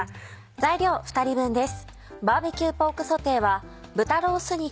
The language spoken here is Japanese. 材料２人分です。